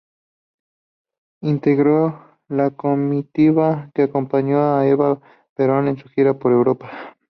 Integró la comitiva que acompañó a Eva Perón en su gira por Europa.